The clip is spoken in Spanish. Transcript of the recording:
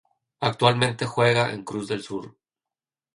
Actualmente juega en Cruz del Sur.